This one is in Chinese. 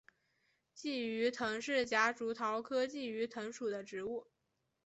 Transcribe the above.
鲫鱼藤是夹竹桃科鲫鱼藤属的植物。